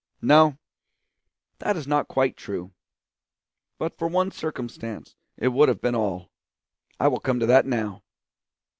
No, that is not quite true. But for one circumstance it would have been all. I will come to that now.